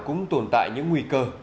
cũng tồn tại những nguy cơ